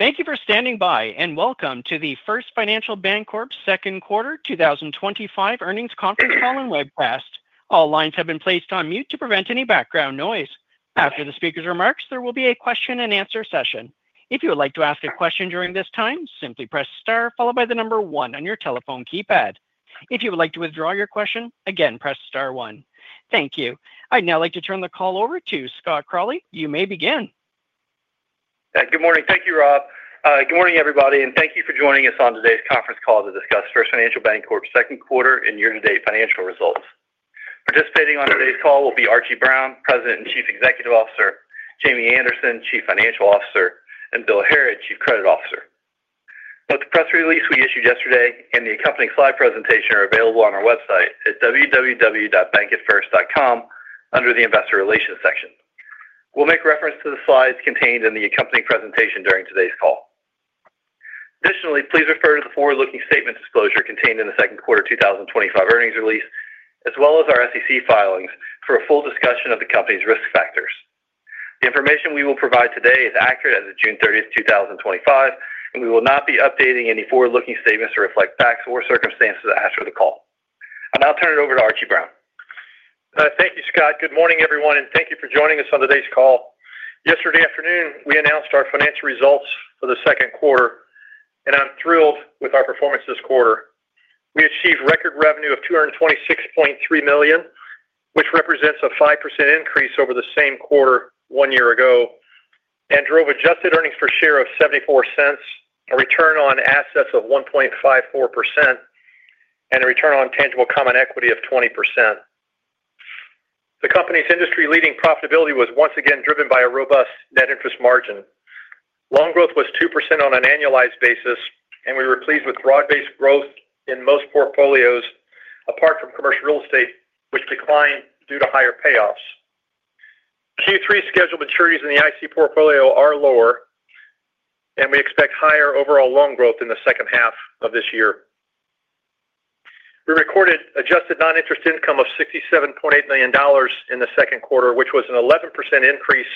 Thank you for standing by, and welcome to the First Financial Bancorp Second Quarter twenty twenty five Earnings Conference Call and Webcast. All lines have been placed on mute to prevent any background noise. After the speakers' remarks, there will be a question and answer session. Thank you. I'd now like to turn the call over to Scott Crawley. You may begin. Good morning. Thank you, Rob. Good morning, everybody, and thank you for joining us on today's conference call to discuss First Financial Bancorp's second quarter and year to date financial results. Participating on today's call will be Archie Brown, President and Chief Executive Officer Jamie Anderson, Chief Financial Officer and Bill Harrod, Chief Credit Officer. Both the press release we issued yesterday and the accompanying slide presentation are available on our website at www.bankatfirst.com under the Investor Relations section. We'll make reference to the slides contained in the accompanying presentation during today's call. Additionally, please refer to the forward looking statement disclosure contained in the second quarter twenty twenty five earnings release as well as our SEC filings for a full discussion of the company's risk factors. The information we will provide today is accurate as of 06/30/2025, and we will not be updating any forward looking statements to reflect facts or circumstances after the call. I'll now turn it over to Archie Brown. Thank you, Scott. Good morning, everyone, and thank you for joining us on today's call. Yesterday afternoon, we announced our financial results for the second quarter, and I'm thrilled with our performance this quarter. We achieved record revenue of $226,300,000 which represents a 5% increase over the same quarter one year ago and drove adjusted earnings per share of $0.74 a return on assets of 1.54% and a return on tangible common equity of 20%. The company's industry leading profitability was once again driven by a robust net interest margin. Loan growth was 2% on an annualized basis, and we were pleased with broad based growth in most portfolios apart from commercial real estate, which declined due to higher payoffs. Q3 scheduled maturities in the IC portfolio are lower, and we expect higher overall loan growth in the second half of this year. We recorded adjusted noninterest income of $67,800,000 in the second quarter, which was an 11% increase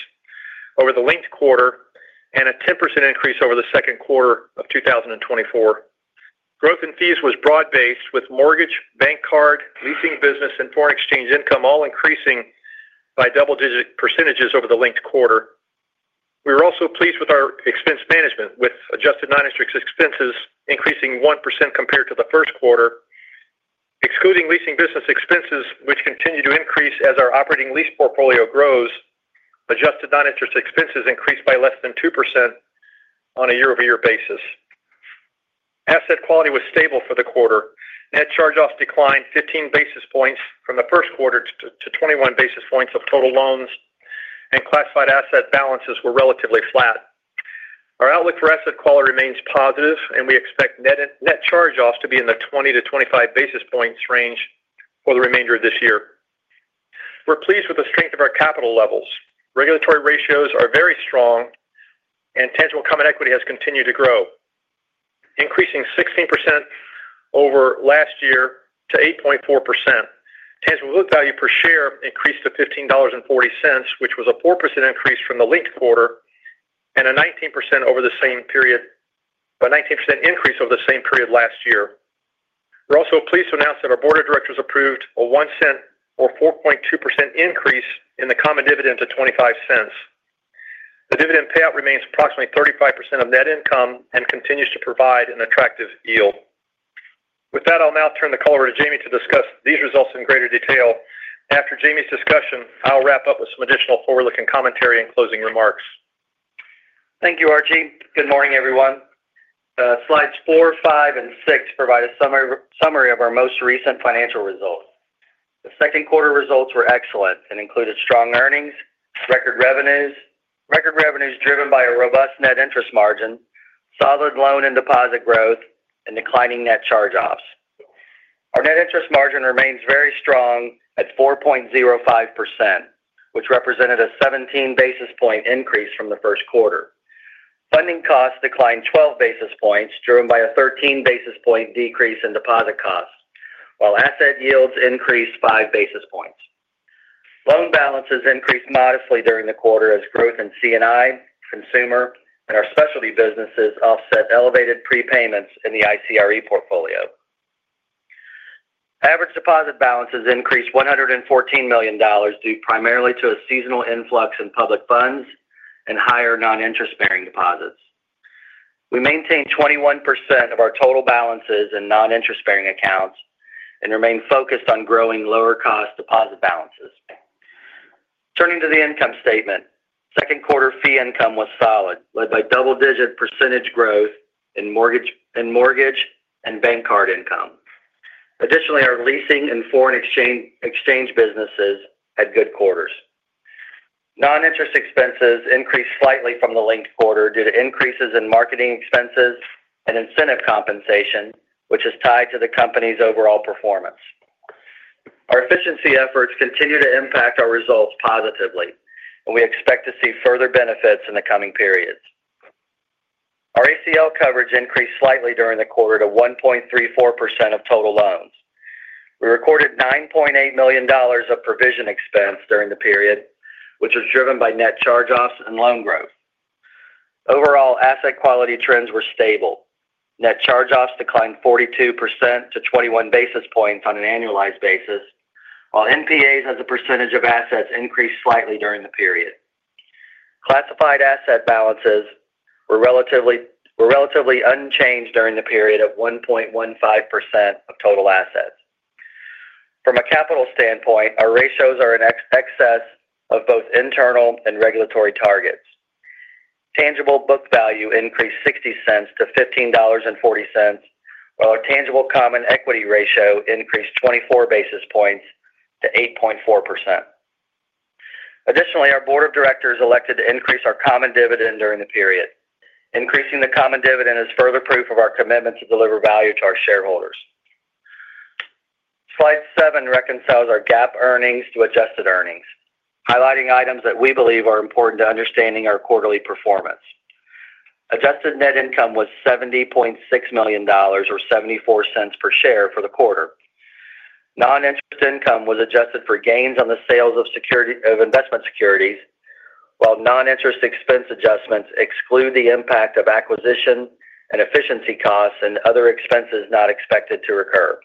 over the linked quarter and a 10% increase over the second quarter of twenty twenty four. Growth in fees was broad based with mortgage, bank card, leasing business and foreign exchange income all increasing by double digit percentages over the linked quarter. We were also pleased with our expense management with adjusted non interest expenses increasing 1% compared to the first quarter. Excluding leasing business expenses, which continue to increase as our operating lease portfolio grows, adjusted non interest expenses increased by less than 2% on a year over year basis. Asset quality was stable for the quarter. Net charge offs declined 15 basis points from the first quarter to 21 basis points of total loans, and classified asset balances were relatively flat. Our outlook for asset quality remains positive, and we expect net charge offs to be in the 20 to 25 basis points range for the remainder of this year. We're pleased with the strength of our capital levels. Regulatory ratios are very strong and tangible common equity has continued to grow, increasing 16 over last year to 8.4%. Tangible book value per share increased to $15.4 which was a 4% increase from the linked quarter and a 19% over the same period a 19% increase over the same period last year. We're also pleased to announce that our Board of Directors approved a $01 or 4.2% increase in the common dividend to $0.25 The dividend payout remains approximately 35% of net income and continues to provide an attractive yield. With that, I'll now turn the call over to Jamie to discuss these results in greater detail. After Jamie's discussion, I'll wrap up with some additional forward looking commentary and closing remarks. Thank you, Archie. Good morning, everyone. Slides four, five and six provide a summary of our most recent financial results. The second quarter results were excellent and included strong earnings, record revenues driven by a robust net interest margin, solid loan and deposit growth and declining net charge offs. Our net interest margin remains very strong at 4.05%, which represented a 17 basis point increase from the first quarter. Funding costs declined 12 basis points, driven by a 13 basis point decrease in deposit costs, while asset yields increased five basis points. Loan balances increased modestly during the quarter as growth in C and I, consumer and our specialty businesses offset elevated prepayments in the ICRE portfolio. Average deposit balances increased $114,000,000 due primarily to a seasonal influx in public funds and higher noninterest bearing deposits. We maintained 21% of our total balances in non interest bearing accounts and remain focused on growing lower cost deposit balances. Turning to the income statement. Second quarter fee income was solid, led by double digit percentage growth in mortgage and bank card income. Additionally, our leasing and foreign exchange businesses had good quarters. Non interest expenses increased slightly from the linked quarter due to increases in marketing expenses and incentive compensation, which is tied to the company's overall performance. Our efficiency efforts continue to impact our results positively, and we expect to see further benefits in the coming periods. Our ACL coverage increased slightly during the quarter to 1.34% of total loans. We recorded $9,800,000 of provision expense during the period, which was driven by net charge offs and loan growth. Overall, quality trends were stable. Net charge offs declined 42% to 21 basis points on an annualized basis, while NPAs as a percentage of assets increased slightly during the period. Classified asset balances were relatively unchanged during the period of 1.15% of total assets. From a capital standpoint, our ratios are in excess of both internal and regulatory targets. Tangible book value increased $0.60 to $15.4 while our tangible common equity ratio increased 24 basis points to 8.4%. Additionally, our Board of Directors elected to increase our common dividend during the period. Increasing the common dividend is further proof of our commitment to deliver value to our shareholders. Slide seven reconciles our GAAP earnings to adjusted earnings, highlighting items that we believe are important to understanding our quarterly performance. Adjusted net income was $70,600,000 or $0.74 per share for the quarter. Non interest income was adjusted for gains on the sales of investment securities, while non interest expense adjustments exclude the impact of acquisition and efficiency costs and other expenses not expected to recur.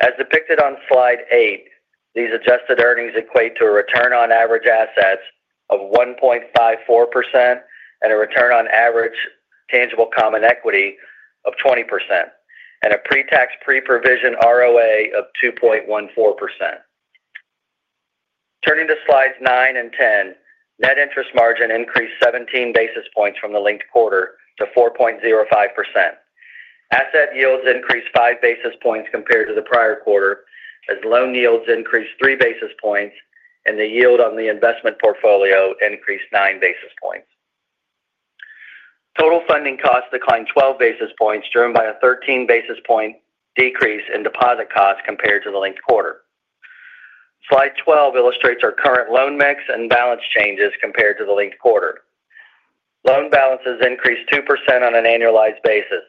As depicted on Slide eight, these adjusted earnings equate to a return on average assets of 1.54% and a return on average tangible common equity of 20% and a pre tax pre provision ROA of 2.14%. Turning to slides nine and ten. Net interest margin increased 17 basis points from the linked quarter to 4.05%. Asset yields increased five basis points compared to the prior quarter as loan yields increased three basis points and the yield on the investment portfolio increased nine basis points. Total funding costs declined 12 basis points driven by a 13 basis point decrease in deposit costs compared to the linked quarter. Slide 12 illustrates our current loan mix and balance changes compared to the linked quarter. Loan balances increased 2% on an annualized basis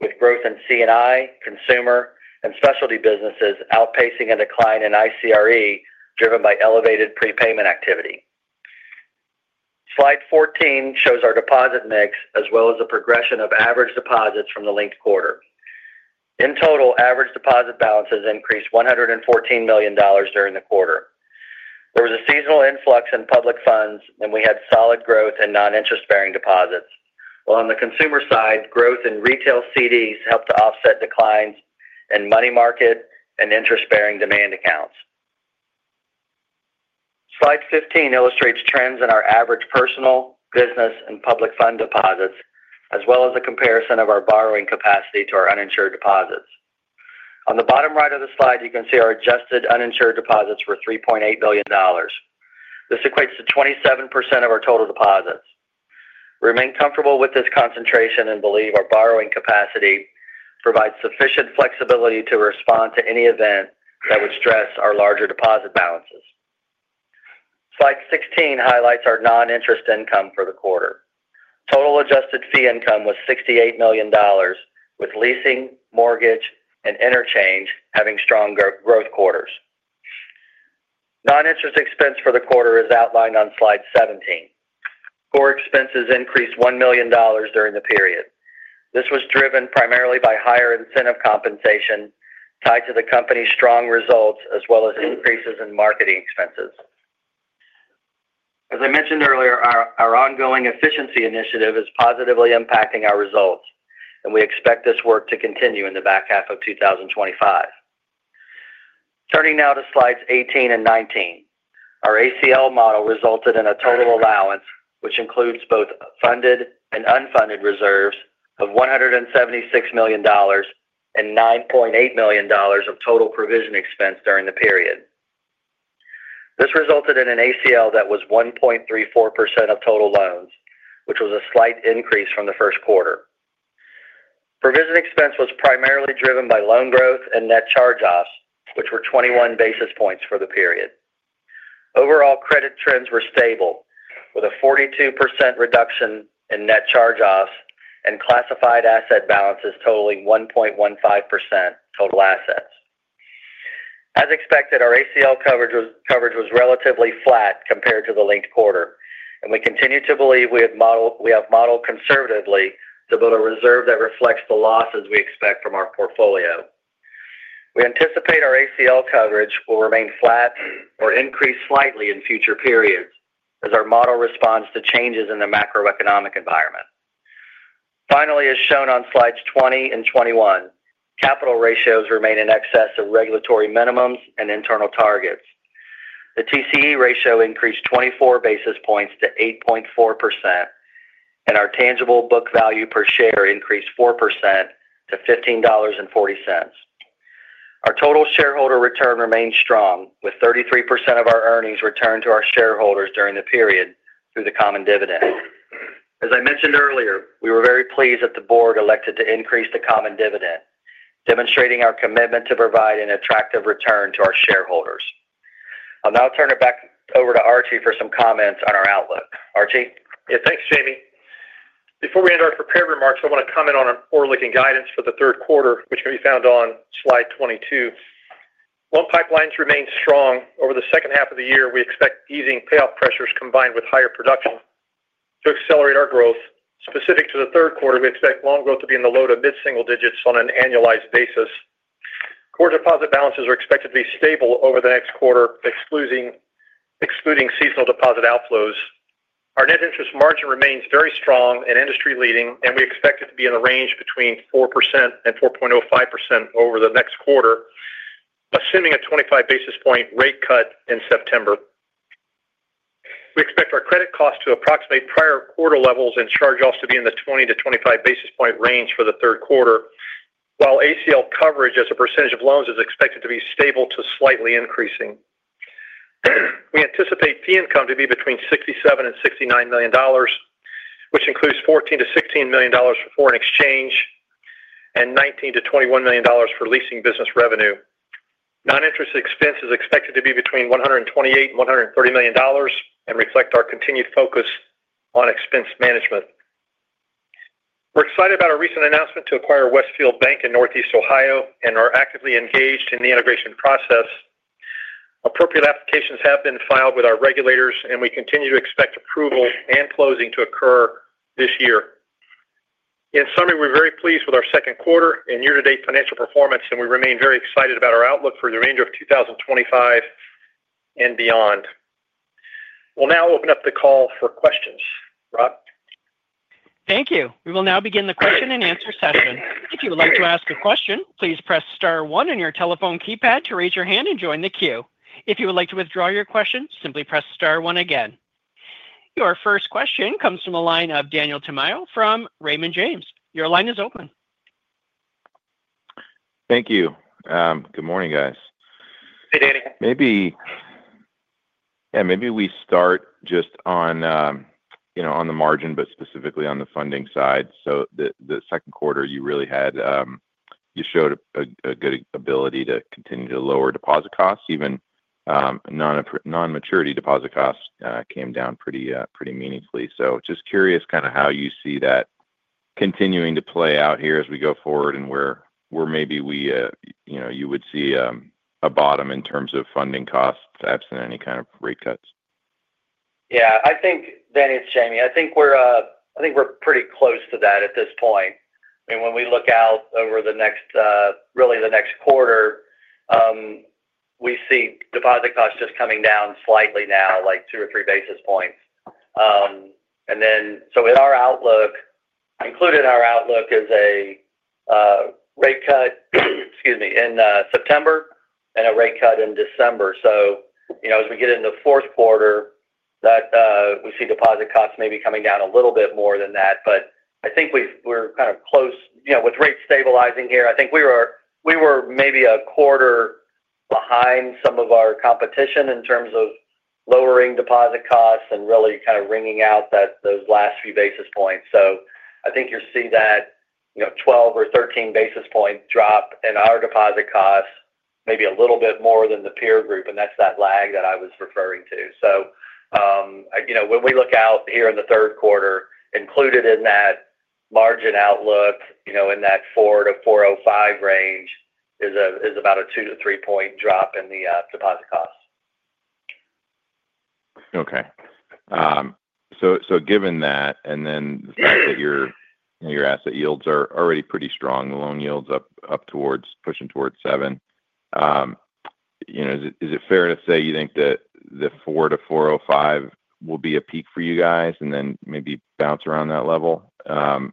with growth in C and I, consumer and specialty businesses outpacing a decline in ICRE driven by elevated prepayment activity. Slide 14 shows our deposit mix as well as the progression of average deposits from the linked quarter. In total, average deposit balances increased $114,000,000 during the quarter. There was a seasonal influx in public funds and we had solid growth in non interest bearing deposits. While on the consumer side, growth in retail CDs helped to offset declines in money market and interest bearing demand accounts. Slide 15 illustrates trends in our average personal, business and public fund deposits as well as the comparison of our borrowing capacity to our uninsured deposits. On the bottom right of the slide, you can see our adjusted uninsured deposits were $3,800,000,000 This equates to 27 of our total deposits. We remain comfortable with this concentration and believe our borrowing capacity provides sufficient flexibility to respond to any event that would stress our larger deposit balances. Slide 16 highlights our noninterest income for the quarter. Total adjusted fee income was $68,000,000 with leasing, mortgage and interchange having strong growth quarters. Non interest expense for the quarter is outlined on Slide 17. Core expenses increased $1,000,000 during the period. This was driven primarily by higher incentive compensation tied to the company's strong results as well as increases in marketing expenses. As I mentioned earlier, our ongoing efficiency initiative is positively impacting our results, and we expect this work to continue in the back half of twenty twenty five. Turning now to Slides eighteen and nineteen. Our ACL model resulted in a total allowance, which includes both funded and unfunded reserves of $176,000,000 and $9,800,000 of total provision expense during the period. This resulted in an ACL that was 1.34% of total loans, which was a slight increase from the first quarter. Provision expense was primarily driven by loan growth and net charge offs, which were 21 basis points for the period. Overall, credit trends were stable with a 42% reduction in net charge offs and classified asset balances totaling 1.15% total assets. As expected, our ACL coverage was relatively flat compared to the linked quarter, and we continue to believe we have modeled conservatively to build a reserve that reflects the losses we expect from our portfolio. We anticipate our ACL coverage will remain flat or increase slightly in future periods as our model responds to changes in the macroeconomic environment. Finally, as shown on Slides twenty and twenty one, capital ratios remain in excess of regulatory minimums and internal targets. The TCE ratio increased 24 basis points to 8.4% and our tangible book value per share increased 4% to 15.4 Our total shareholder return remains strong with 33% of our earnings returned to our shareholders during the period through the common dividend. As I mentioned earlier, we were very pleased that the Board elected to increase the common dividend, demonstrating our commitment to provide an attractive return to our shareholders. I'll now turn it back over to Archie for some comments on our outlook. Archie? Thanks, Jamie. Before we end our prepared remarks, I want to comment on our forward looking guidance for the third quarter, which can be found on Slide 22. Loan pipelines remain strong. Over the second half of the year, we expect easing payoff pressures combined with higher production to accelerate our growth. Specific to the third quarter, we expect loan growth to be in the low to mid single digits on an annualized basis. Core deposit balances are expected to be stable over the next quarter, excluding seasonal deposit outflows. Our net interest margin remains very strong and industry leading, and we expect it to be in the range between 44.05% over the next quarter, assuming a 25 basis point rate cut in September. We expect our credit cost to approximate prior quarter levels and charge offs to be in the 20 to 25 basis point range for the third quarter, while ACL coverage as a percentage of loans is expected to be stable to slightly increasing. We anticipate fee income to be between 67,000,000 and $69,000,000 which includes 14,000,000 to $16,000,000 for foreign exchange and 19,000,000 to $21,000,000 for leasing business revenue. Non interest expense is expected to be between 128,000,000 and $130,000,000 and reflect our continued focus on expense management. We're excited about our recent announcement to acquire Westfield Bank in Northeast Ohio and are actively engaged in the integration process. Appropriate applications have been filed with our regulators, and we continue to expect approval and closing to occur this year. In summary, we're very pleased with our second quarter and year to date financial performance, and we remain very excited about our outlook for the remainder of 2025 and beyond. We'll now open up the call for questions. Rob? Thank you. We will now begin the question and answer session. Your first question comes from the line of Daniel Tamayo from Raymond James. Your line is open. Thank you. Good morning, guys. Hey, David. Maybe we start just on the margin, but specifically on the funding side. So the second quarter, you really had you showed a good ability to continue to lower deposit costs even non maturity deposit costs came down pretty meaningfully. So just curious kind of how you see that continuing to play out here as we go forward and where maybe we you would see a bottom in terms of funding costs, absent any kind of rate cuts? Think Denny, it's Jamie. I think we're pretty close to that at this point. And when we look out over the next really the next quarter, we see deposit costs just coming down slightly now, like two or three basis points. Then so in our outlook included in our outlook is a rate cut in September and a rate cut in December. So as we get into the fourth quarter, we see deposit costs maybe coming down a little bit more than that. But I think we're kind of close with rates stabilizing here, I think we were maybe a quarter behind some of our competition in terms of lowering deposit costs and really kind of wringing out those last few basis points. So I think you're seeing that 12 or 13 basis point drop in our deposit costs, maybe a little bit more than the peer group, and that's that lag that I was referring to. So when we look out here in the third quarter, included in that margin outlook in that four to four zero five range is about a two to three point drop in the deposit costs. Okay. So given that and then the fact that your asset yields are already pretty strong, loan yields up towards pushing towards seven, is it fair to say you think that the four to four zero five will be a peak for you guys and then maybe bounce around that level?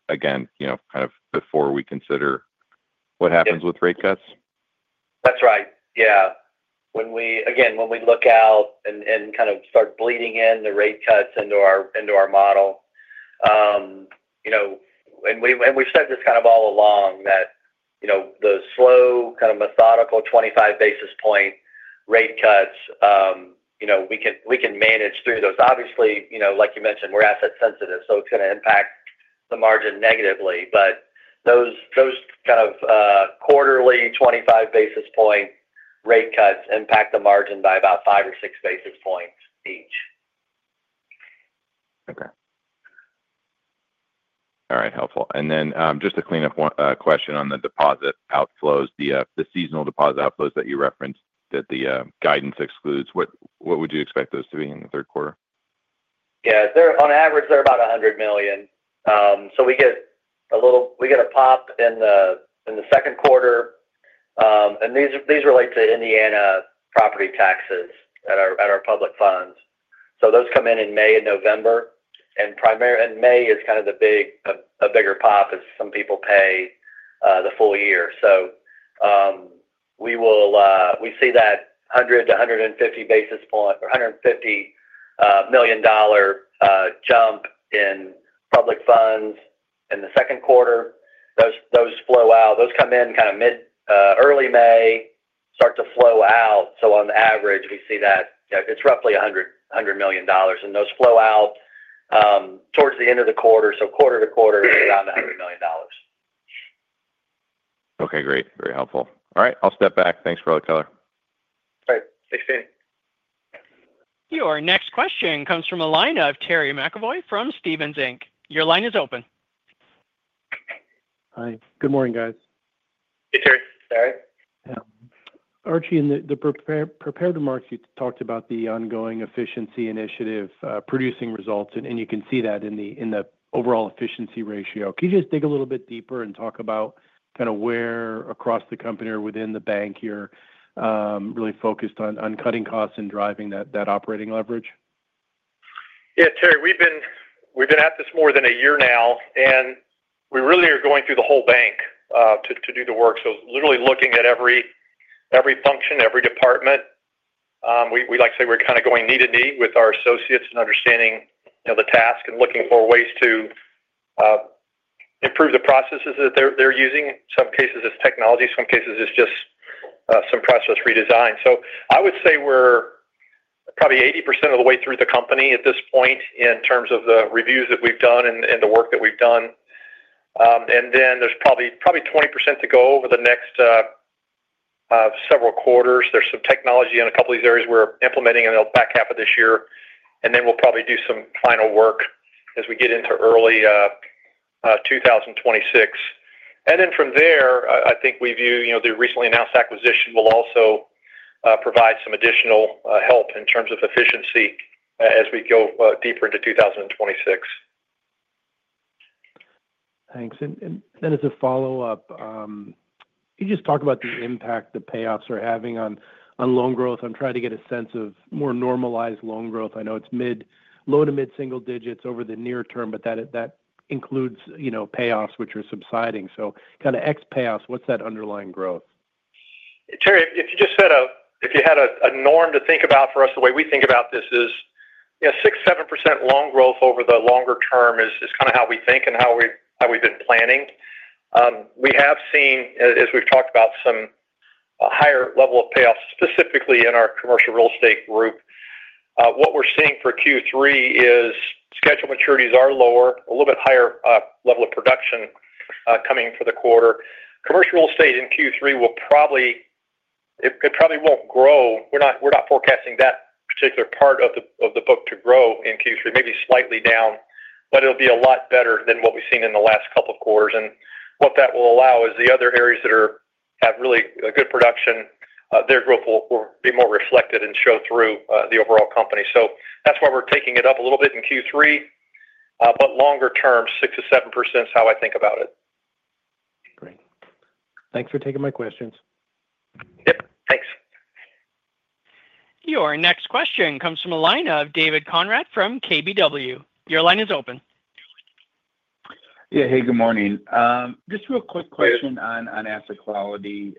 Again, you know, kind of before we consider what happens with rate cuts? That's right. Yeah. When we again, when we look out and and kind of start bleeding in the rate cuts into our into our model, And we've said this kind of all along that the slow, of methodical 25 basis point rate cuts, can manage through those. Obviously, like you mentioned, we're asset sensitive, so it's going to impact the margin negatively. But those kind of quarterly 25 basis point rate cuts impact the margin by about five or six basis points each. Okay. All right. Helpful. And then just a cleanup question on the deposit outflows, the seasonal deposit outflows that you referenced that the guidance excludes. What would you expect those to be in the third quarter? Yes. They're on average, they're about $100,000,000 So we get a little we get a pop in the second quarter. And these relate to Indiana property taxes public at funds. So those come in in May and November. And primary and May is kind of the big a bigger pop as some people pay the full year. So we will we see that 100 to 150 basis point or $150,000,000 jump in public funds in the second quarter. Those those flow out. Those come in kinda mid early May, start to flow out. So on average, we see that it's roughly a $100,100,000,000 dollars and those flow out towards the end of the quarter. So quarter to quarter, it's around $100,000,000 Your next question comes from the line of Terry McEvoy from Stephens Inc. Archie, in the prepared remarks, you talked about the ongoing efficiency initiative producing results and you can see that in the overall efficiency ratio. Can you just dig a little bit deeper and talk about kind of where across the company or within the bank you're really focused on cutting costs and driving that operating leverage? Yes, Terry. We've been at this more than a year now. And we really are going through the whole bank to to do the work. So literally looking at every every function, every department. We we like to say we're kinda going knee to knee with our associates and understanding, you know, the task and looking for ways to improve the processes that they're they're using. Some cases, it's technology. Some cases, it's just some process redesign. So I would say we're probably 80% of the way through the company at this point in terms of the reviews that we've done and and the work that we've done. And then there's probably 20% to go over the next several quarters. There's some technology in a couple of these areas we're implementing in the back half of this year. And then we'll probably do some final work as we get into early twenty twenty six. And then from there, I think we view the recently announced acquisition will also provide some additional help in terms of efficiency as we go deeper into 2026. Thanks. And then as a follow-up, can you just talk about the impact the payoffs are having on loan growth? I'm trying to get a sense of more normalized loan growth. I know it's mid low to mid single digits over the near term, but that that includes, you know, payoffs, which are subsiding. So kind of ex payoffs, what's that underlying growth? Terry, if you just set up if you had a a norm to think about for us, way we think about this is, 6%, 7% loan growth over the longer term is kind of how we think and how we've been planning. We have seen, as we've talked about, some higher level of payoffs, specifically in our commercial real estate group. What we're seeing for Q3 is scheduled maturities are lower, a little bit higher level of production coming for the quarter. Commercial real estate in Q3 will probably it probably won't grow. We're not we're not forecasting that particular part of the of the book to grow in q three, maybe slightly down, but it'll be a lot better than what we've seen in the last couple of quarters. And what that will allow is the other areas that are have really good production. Their growth will be more reflected and show through the overall company. So that's why we're taking it up a little bit in Q3. But longer term, six to 7% is how I think about it. Great. Thanks for taking my questions. Yes. Thanks. Your next question comes from the line of David Conrad from KBW. Your line is open. Yes. Hey, good morning. Real quick question on asset quality.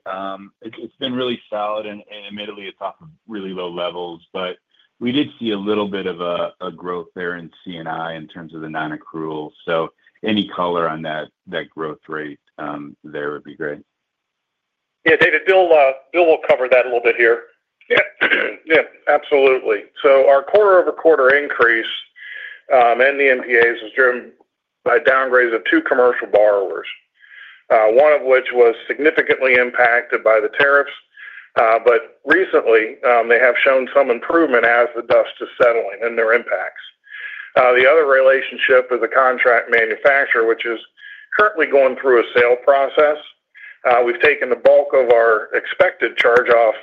It's been really solid, admittedly, it's off of really low levels. But we did see a little bit of a growth there in C and I in terms of the nonaccruals. So any color on that growth rate there would be great. David, Bill will cover that a little bit here. Yes, absolutely. So our quarter over quarter increase in the NPAs was driven by downgrades of two commercial borrowers, one of which was significantly impacted by the tariffs. But recently, they have shown some improvement as the dust is settling and their impacts. The other relationship is a contract manufacturer, which is currently going through a sale process. We've taken the bulk of our expected charge off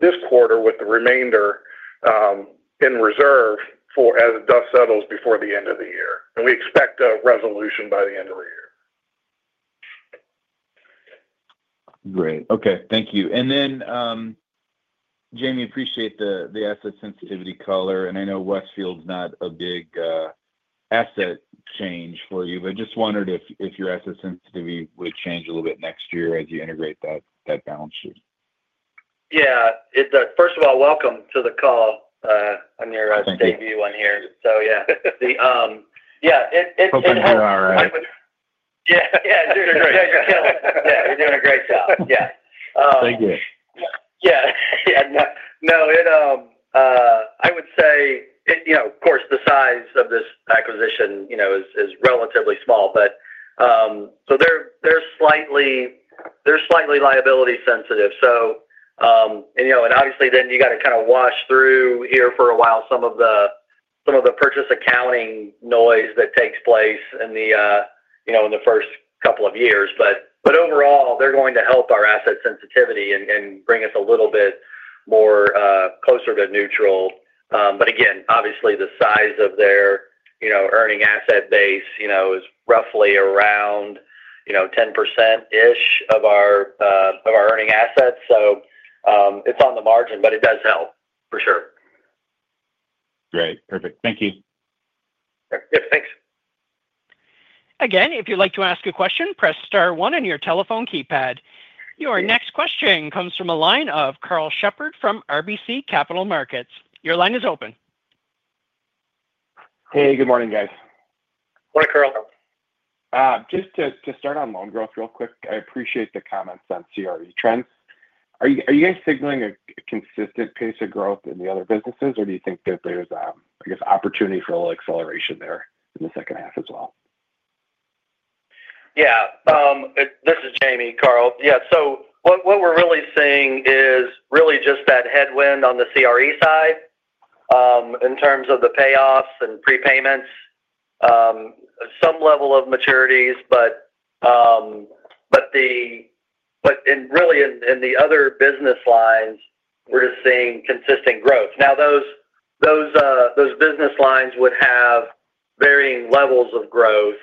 this quarter with the remainder in reserve for as dust settles before the end of the year. And we expect a resolution by the end of the year. Great. Okay. And then, Jamie, appreciate the asset sensitivity color. And I know Westfield is not a big asset change for you, but just wondered if if your assets seems to be would change a little bit next year as you integrate that that balance sheet. Yeah. It's a first of all, welcome to the call. I'm here. I'll view on here. So yeah. Yeah. It it Hope you're alright. Yeah. Yeah. Doing a great Yeah. You're doing a great job. Yeah. Thank you. Yeah. Yeah. No. It I would say, you know, of course, the size of this acquisition, you know, is is relatively small. But, so they're they're slightly they're slightly liability sensitive. So, and, you know and, obviously, then you gotta kinda wash through here for a while some of the purchase accounting noise that takes place in the first couple of years. But overall, they're going to help our asset sensitivity and bring us a little bit more closer to neutral. But again, obviously, the size of their earning asset base is roughly around 10% of our earning assets. So it's on the margin, but it does help for sure. Great. Perfect. Thank you. Yes. Thanks. Your next question comes from the line of Karl Shepherd from RBC Capital Markets. Your line is open. Hey, good morning, guys. Good morning, Carl. Just to start on loan growth real quick, I appreciate the comments on CRE trends. Are you guys signaling a consistent pace of growth in the other businesses? Or do you think that there's, I guess, opportunity for acceleration there in the second half as well? Yeah. This is Jamie, Carl. Yeah. So what what we're really seeing is really just that headwind on the CRE side in terms of the payoffs and prepayments, some level of maturities, but but the but in really, in in the other business lines, we're seeing consistent growth. Now those those those business lines would have varying levels of growth.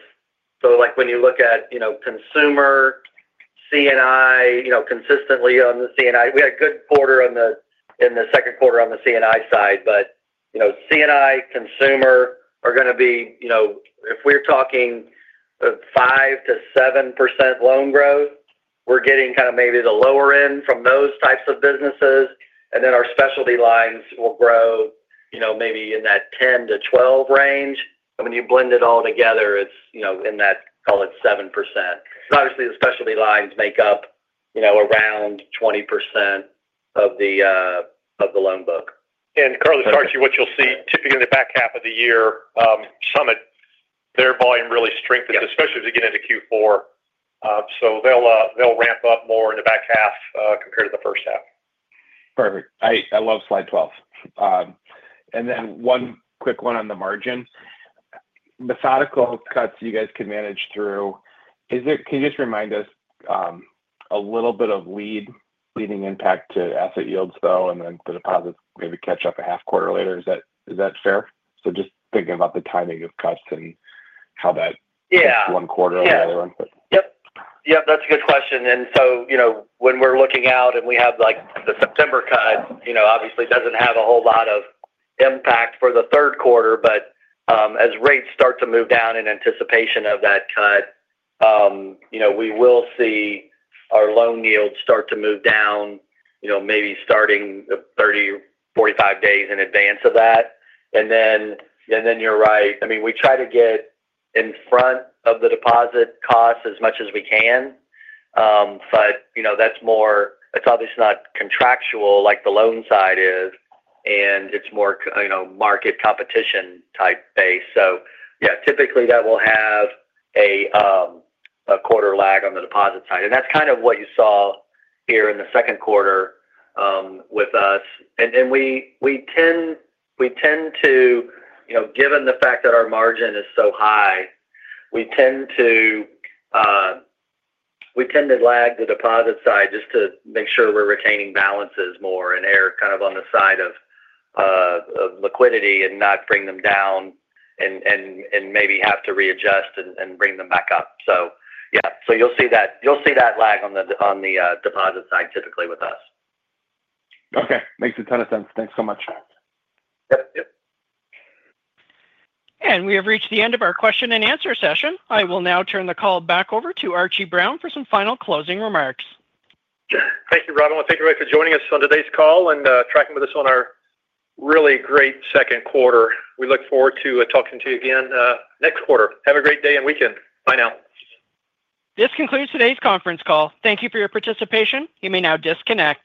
So, like, when you look at, you know, consumer, C and I, you know, consistently on the C and I we had a good quarter on the in the second quarter on the C and I side. But C and I, consumer are going to be if we're talking 5% to 7% loan growth, we're getting kind of maybe the lower end from those types of businesses. And then our specialty lines will grow maybe in that 10% to 12% range. And when you blend it all together, it's in that, call it, 7%. So obviously, the specialty lines make up around 20% of the loan book. And currently, what you'll see typically in the back half of the year, Summit, their volume really strengthened, So especially as we get into they'll ramp up more in the back half compared to the first half. Perfect. I love Slide 12. And then one quick one on the margin. Methodical cuts you guys can manage through. Is it can you just remind us a little bit of leading impact to asset yields, though, and then for deposits, maybe catch up a half quarter later? Is that is that fair? So just thinking about the timing of cuts and how that Yeah. One quarter or the other one? Yep. Yep. That's a good question. And so, you know, when we're looking out and we have, like, the September cut, you know, obviously, it doesn't have a whole lot of impact for the third quarter. But, as rates start to move down in anticipation of that cut, you know, we will see our loan yields start to move down, you know, maybe starting thirty, forty five days in advance of that. And then and then you're right. I mean, we try to get in front of the deposit cost as much as we can, But, you know, that's more it's obviously not contractual like the loan side is, and it's more, you know, market competition type base. So, yeah, typically, that will have a a quarter lag on the deposit side. And that's kind of what you saw here in the second quarter with us. And we tend to, you know, given the fact that our margin is so high, we we tend tend to to lag the deposit side just to make sure we're retaining balances more and, Eric, kind of on the side of liquidity and not bring them down and and and maybe have to readjust and and bring them back up. So, yes, so you'll see that lag on the deposit side typically with us. Okay. Makes a ton of sense. Thanks so much. Yes. And we have reached the end of our question and answer session. I will now turn the call back over to Archie Brown for some final closing remarks. Thank you, Rob. Want thank everybody for joining us on today's call and tracking with us on our really great second quarter. We look forward to talking to you again next quarter. Have a great day and weekend. Bye now. This concludes today's conference call. Thank you for your participation. You may now disconnect.